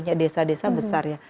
hanya desa desa besar ya